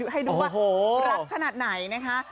ให้ดูว่ารักขนาดไหนนะคะ